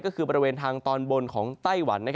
ก็คือบริเวณทางตอนบนของไต้หวัน